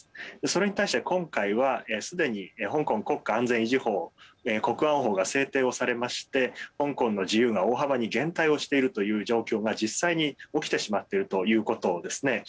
それに対して今回はすでに香港国家安全維持法国安法が制定をされまして香港の自由が大幅に減退をしているという状況が実際に起きてしまっているということですね。